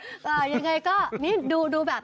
ยังไงก็นี่ดูแบบ